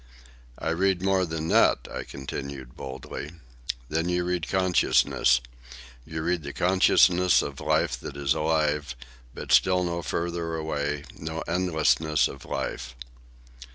"I read more than that," I continued boldly. "Then you read consciousness. You read the consciousness of life that it is alive; but still no further away, no endlessness of life."